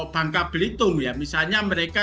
bangka belitung ya misalnya mereka